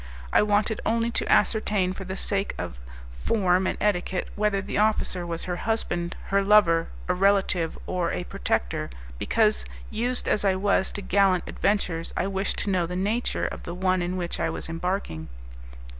I wanted only to ascertain, for the sake of form and etiquette, whether the officer was her husband, her lover, a relative or a protector, because, used as I was to gallant adventures, I wished to know the nature of the one in which I was embarking.